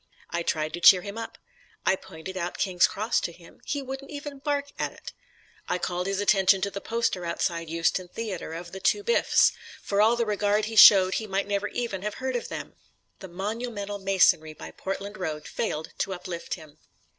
I tried to cheer him up. I pointed out King's Cross to him; he wouldn't even bark at it. I called his attention to the poster outside Euston Theatre of The Two Biffs; for all the regard he showed he might never even have heard of them. The monumental masonry by Portland Road failed to uplift him.